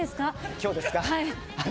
今日ですか。